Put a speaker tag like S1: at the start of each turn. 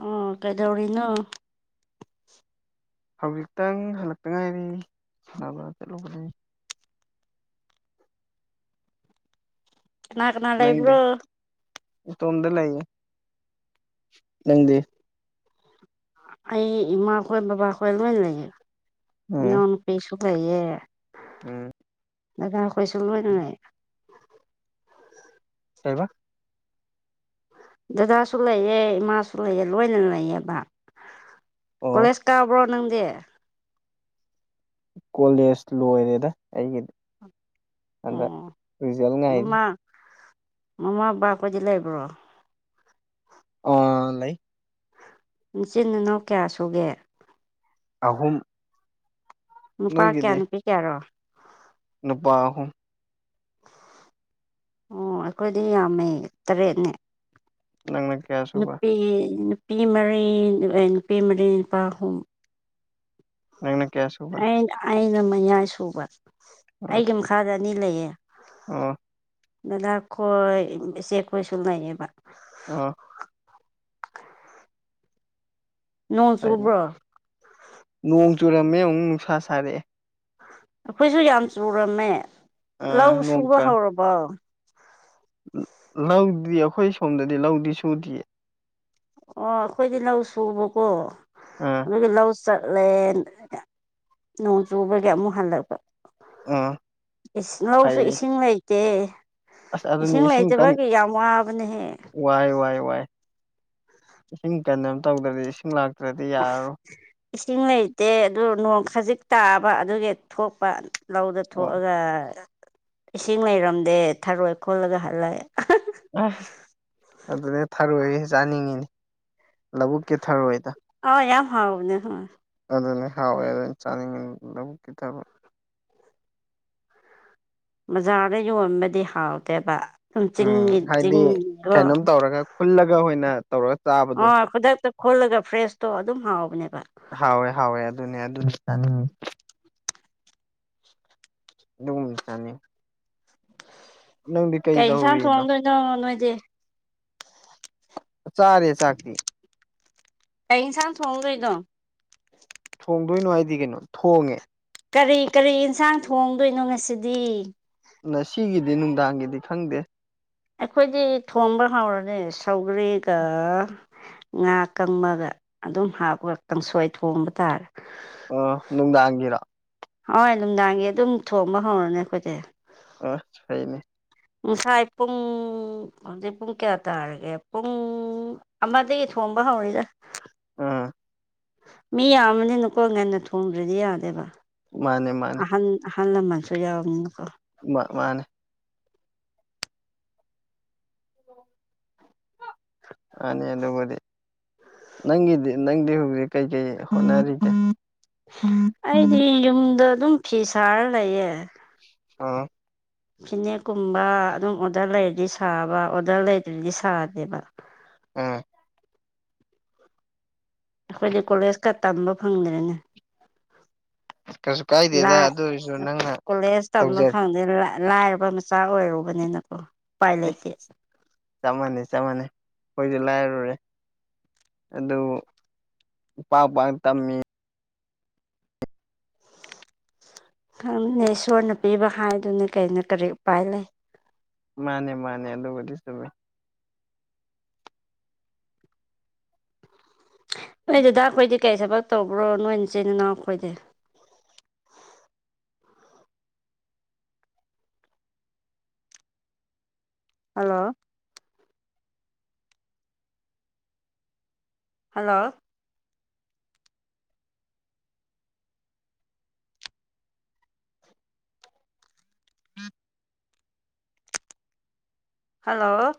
S1: ꯑꯣ ꯀꯩꯗꯧꯔꯤꯅꯣ
S2: ꯍꯧꯖꯤꯛꯇꯪ ꯍꯜꯂꯛꯇ ꯉꯥꯏꯔꯤ ꯁꯥꯟꯅꯕ ꯆꯠꯂꯨꯕꯅꯤ
S1: ꯀꯅꯥ ꯀꯅꯥ ꯂꯩ ꯂꯩꯕ꯭ꯔꯣ
S2: ꯇꯣꯝꯗ ꯂꯩꯌꯦ ꯅꯪꯗꯤ
S1: ꯑꯩ ꯏꯃꯥꯈꯣꯏ ꯕꯥ ꯈꯣꯏ ꯂꯣꯏ ꯂꯩꯒꯦ
S2: ꯎꯝ
S1: ꯏ ꯄꯁꯨꯒꯌꯦ
S2: ꯎꯝ
S1: ꯗꯀꯔ ꯑꯩꯈꯣꯏꯁꯨ ꯂꯣꯏꯅꯉꯥꯏ
S2: ꯀꯩꯕ
S1: ꯗꯗꯥꯁꯨ ꯂꯩꯑ ꯏꯃꯥꯁꯨ ꯂꯩꯑꯦ ꯂꯣꯏꯅ ꯂꯩꯌꯦꯕ
S2: ꯑꯣ
S1: ꯀꯣꯂꯦꯖ ꯇꯕ꯭ꯔꯣ ꯅꯪꯗꯦ
S2: ꯀꯣꯂꯦꯖ ꯂꯣꯏꯔꯦꯗ ꯑꯩꯒꯤꯗꯤ ꯑꯟꯗ
S1: ꯑꯣ
S2: ꯔꯤꯖꯜ ꯉꯥꯏꯔꯤ
S1: ꯃꯃꯥ ꯃꯃꯥ ꯕꯥꯈꯗꯤ ꯂꯩꯕ꯭ꯔꯣ
S2: ꯑ ꯂꯩ
S1: ꯏꯆꯤꯟ ꯏꯅꯥꯎ ꯀꯌꯥ ꯁꯨꯒꯦ
S2: ꯑꯍꯨꯝ
S1: ꯅꯨꯄꯥ ꯀꯌꯥ ꯅꯨꯄꯤ ꯀꯌꯥꯔꯣ
S2: ꯅꯨꯄꯥꯍꯨꯝ
S1: ꯑꯣ ꯑꯩꯈꯣꯏꯗꯤ ꯌꯥꯝꯃꯦ ꯇꯔꯦꯠꯅꯦ
S2: ꯅꯪꯅ ꯀꯌꯥ ꯁꯨꯕ
S1: ꯅꯨꯄꯤ ꯅꯨꯄꯤ ꯃꯔꯤ ꯅꯨꯄꯤ ꯃꯔꯤ ꯅꯨꯄꯥ ꯑꯍꯨꯝ
S2: ꯂꯩ ꯀꯌꯥꯁ
S1: ꯑꯩꯅ ꯑꯩꯅ ꯃꯌꯥꯏ ꯁꯨꯕ
S2: ꯑꯣ
S1: ꯑꯩꯒꯤ ꯃꯈꯥꯗ ꯑꯅꯤ ꯂꯩꯌꯦ
S2: ꯑꯣ
S1: ꯗꯗꯥꯈꯣꯏ ꯏꯆꯦ ꯈꯣꯏꯁꯨ ꯂꯩꯌꯦꯕ
S2: ꯑ
S1: ꯅꯣꯡ
S2: ꯐꯩ
S1: ꯆꯨꯕ꯭ꯔꯣ
S2: ꯅꯣꯡ ꯆꯨꯔꯝꯃꯦ ꯑꯃꯨꯛ ꯅꯨꯡꯁꯥ ꯁꯥꯔꯛꯑꯦ
S1: ꯑꯩꯈꯣꯏꯁꯨ ꯌꯥꯝ ꯆꯨꯔꯝꯃꯦ ꯂꯧ
S2: ꯑꯥ ꯅꯣꯡ
S1: ꯁꯨꯕ
S2: ꯀ
S1: ꯍꯧꯔꯕꯣ
S2: ꯂꯧꯗꯤ ꯑꯩꯈꯣꯏ ꯁꯣꯝꯗꯗꯤ ꯂꯧꯗꯤ ꯁꯨꯗꯌꯦ
S1: ꯑꯣ ꯑꯩꯈꯣꯏꯗꯤ ꯂꯧ ꯁꯨꯕꯀꯣ
S2: ꯑ
S1: ꯑꯗꯨꯒ ꯂꯧ ꯆꯠꯂꯦ ꯅꯣꯡ ꯆꯨꯕꯒꯤ ꯑꯃꯨꯛ ꯍꯜꯂꯛꯄ
S2: ꯑꯥ
S1: ꯏꯁꯤꯡ ꯂꯧꯁꯨ
S2: ꯐꯩꯌꯦ
S1: ꯏꯁꯤꯡ ꯂꯩꯇꯦ
S2: ꯑꯁ ꯑꯗꯨꯅꯤ
S1: ꯏꯁꯤꯡ
S2: ꯀꯟ
S1: ꯂꯩꯇꯕꯒꯤ ꯌꯥꯝ ꯋꯥꯕꯅꯦꯍꯦ
S2: ꯋꯥꯏ ꯋꯥꯏ ꯋꯥꯏ ꯏꯁꯤꯡ ꯀꯟꯅ ꯑꯃ ꯇꯧꯗ꯭ꯔꯗꯤ ꯏꯁꯤꯡ ꯂꯥꯛꯇ꯭ꯔꯗꯤ ꯌꯥꯔꯔꯣꯏ
S1: ꯏꯁꯤꯡ ꯂꯩꯇꯦ ꯑꯗꯨ ꯅꯣꯡ ꯈꯖꯤꯛ ꯇꯥꯕ ꯑꯗꯨꯒꯤ ꯊꯣꯛꯄ ꯂꯧꯗ
S2: ꯑꯣ
S1: ꯊꯣꯛꯑꯒ ꯏꯁꯤꯡ ꯂꯩꯔꯝꯗꯦ ꯊꯔꯣꯏ ꯈꯣꯜꯂꯒ ꯍꯜꯂꯦ
S2: ꯑ ꯑꯗꯨꯅꯦ ꯊꯔꯣꯏ ꯆꯥꯅꯤꯡꯉꯤꯅꯦ ꯂꯧꯕꯨꯛꯀꯤ ꯊꯔꯣꯏꯗ
S1: ꯑꯥꯎ ꯌꯥꯝ ꯍꯥꯎꯕꯅꯦ ꯍꯣꯏ
S2: ꯑꯗꯨꯅ ꯍꯥꯎꯋꯦ ꯑꯗꯨꯅ ꯆꯥꯅꯤꯡꯉ ꯂꯧꯕꯛꯀꯤ ꯊꯕꯛ
S1: ꯕꯖꯥꯔꯗ ꯌꯣꯟꯕꯗꯤ ꯍꯥꯎꯇꯦꯕ ꯁꯝ
S2: ꯎꯝ
S1: ꯆꯤꯡꯒꯤ
S2: ꯍꯥꯏꯗꯤ
S1: ꯆꯤꯡꯗꯣ
S2: ꯀꯩꯅꯣꯝ ꯇꯧꯔꯒ ꯐꯨꯜꯂꯒ ꯑꯩꯣꯏꯅ ꯇꯧꯔ
S1: ꯑꯣ ꯈꯨꯗꯛꯇ ꯈꯨꯜꯂꯒ ꯐ꯭ꯔꯦꯁꯇꯣ ꯑꯗꯨꯝ ꯍꯥꯎꯕꯅꯦꯕ
S2: ꯍꯣꯏ ꯍꯥꯎꯣꯏ ꯑꯗꯨꯅ ꯑꯗꯨꯅꯤ ꯑꯗꯨꯒꯨꯝ ꯆꯥꯅꯤ
S1: ꯀꯩ ꯌꯦꯟꯁꯥꯡ ꯊꯣꯡꯑꯝꯗꯣꯏꯅꯣ ꯅꯣꯏꯗꯤ
S2: ꯆꯥꯔꯦ ꯆꯥꯛꯇ
S1: ꯀꯩ ꯁꯥꯡ ꯊꯣꯡꯒ ꯏꯗꯣ
S2: ꯊꯣꯡꯗꯣꯏꯅꯣ ꯍꯥꯏꯗꯤ ꯀꯩꯅꯣ ꯊꯣꯡꯉꯦ
S1: ꯀꯔꯤ ꯀꯔꯤ ꯌꯦꯟꯁꯥꯡ ꯊꯣꯡꯗꯣꯏꯅꯣ ꯉꯁꯤꯗꯤ
S2: ꯅ ꯁꯤꯒꯤꯗꯤ ꯅꯨꯡꯗꯥꯡꯒꯤꯗꯤ ꯈꯪꯗꯦ
S1: ꯑꯩꯈꯣꯏꯗꯤ ꯊꯣꯕ ꯍꯧꯥꯎꯔꯅꯤ ꯁꯧꯒ꯭ꯔꯔꯤꯒ ꯉꯥ ꯀꯪꯃꯒ ꯑꯗꯨꯝ ꯍꯥꯞꯄꯒ ꯀꯥꯡꯁꯣꯏ ꯊꯣꯡꯕ ꯇꯥꯔꯦ
S2: ꯑ ꯅꯨꯡꯗꯥꯡꯒꯤꯔ
S1: ꯍꯣꯏ ꯅꯨꯡꯗꯥꯡꯒꯤ ꯑꯗꯨꯝ ꯊꯣꯡꯕ ꯍꯧꯔꯅꯦ ꯑꯩꯈꯣꯏꯁꯦ
S2: ꯑ ꯁꯅꯤ
S1: ꯉꯥꯁꯥꯏ ꯄꯨꯡ ꯍꯧꯖꯤꯛ ꯄꯨꯡ ꯀꯌꯥ ꯇꯥꯔꯒꯦ ꯄꯨꯡ ꯑꯃꯗꯒꯤ ꯊꯣꯡꯕ ꯍꯧꯔꯤꯗ
S2: ꯎꯝ
S1: ꯃꯤ ꯌꯥꯝꯕꯅꯤꯅꯀꯣ ꯉꯟꯅ ꯊꯣꯡꯗ꯭ꯔꯗꯤ ꯌꯥꯗꯦꯕ
S2: ꯃꯥꯅꯦ ꯃꯥꯅꯦ
S1: ꯑꯍꯟ ꯑꯍꯜ ꯂꯃꯟꯁꯨ ꯌꯥꯎꯕꯅꯤꯅꯀꯣ
S2: ꯃꯥ ꯃꯥꯅꯦ ꯃꯥꯅꯤ ꯑꯗꯨꯕꯨꯗꯤ ꯅꯪꯒꯤꯗꯤ ꯅꯪꯗꯤ ꯍꯧꯖꯤꯛ ꯀꯩꯀꯩ ꯍꯣꯠꯅꯔꯤꯒꯦ
S1: ꯑꯩꯗꯤ ꯌꯨꯝꯗ ꯑꯗꯨꯝ ꯐꯤ ꯁꯥꯔ ꯂꯩꯌꯦ
S2: ꯑꯝ
S1: ꯐꯤꯅꯦꯛꯀꯨꯝꯕ ꯑꯗꯨꯝ ꯑꯣꯔꯗꯔ ꯂꯩꯔꯗꯤ ꯁꯥꯕ ꯑꯣꯔꯗꯔ ꯂꯩꯗ꯭ꯔꯗꯤ ꯁꯥꯗꯦꯕ
S2: ꯑꯝ
S1: ꯑꯩꯈꯣꯏꯗꯤ ꯀꯣꯂꯦꯖꯀ ꯇꯝꯕ ꯐꯪꯗ꯭ꯔꯦꯅꯦ
S2: ꯀꯩꯁꯨ ꯀꯥꯏꯗꯦꯗ
S1: [unintelligible]
S2: ꯑꯗꯨ ꯑꯣꯏꯔꯁꯨ ꯅꯪꯅ
S1: ꯀꯣꯂꯦꯖ ꯇꯝꯕ
S2: ꯇꯧꯖꯔ
S1: ꯐꯪꯗꯦꯅ ꯂꯥꯛ ꯂꯥꯏꯔꯕ ꯃꯆꯥ ꯑꯣꯏꯔꯨꯕꯅꯤꯅꯀꯣ ꯎꯄꯥꯏ ꯂꯩꯇꯦ
S2: ꯆꯞ ꯃꯥꯟꯅꯩ ꯆꯞ ꯃꯥꯟꯅꯩ ꯑꯩꯈꯣꯏꯁꯨ ꯂꯥꯏꯔꯨꯔꯦ ꯑꯗꯨꯕꯨ ꯄꯥꯡ ꯄꯥꯡ ꯇꯝꯃꯤ
S1: ꯈꯪꯅꯤ ꯏꯁꯣꯔꯅ ꯄꯤꯕ ꯍꯥꯏꯗꯨꯅ ꯀꯩꯅꯣ ꯀꯔꯤ ꯎꯄꯥꯏ ꯂꯩ
S2: ꯃꯥꯅꯦ ꯃꯥꯅꯦ ꯑꯗꯨꯕꯨꯗꯤ ꯆꯨꯝꯃꯦ
S1: ꯅꯣꯏ ꯗꯗꯥ ꯈꯣꯏꯗꯤ ꯀꯔꯤ ꯊꯕꯛ ꯇꯧꯕ꯭ꯔꯣ ꯅꯣꯏ ꯅꯆꯤꯟ ꯏꯅꯥꯎ ꯈꯣꯏꯗꯤ ꯍꯜꯂꯣ ꯍꯜꯂꯣ ꯍꯜꯂꯣ